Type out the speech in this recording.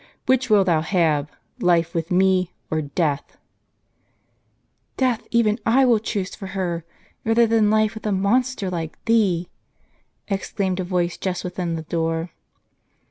Which wilt thou have, life with me, or death ?"" Death even I will choose for her, rather than life with a monster like thee !" exclaimed a voice just within the door.